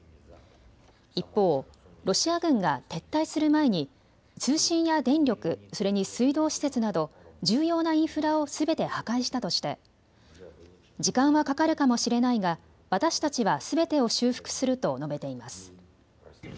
一方、ロシア軍が撤退する前に通信や電力、それに水道施設など重要なインフラをすべて破壊したとして時間はかかるかもしれないが私たちはすべてを修復すると述べています。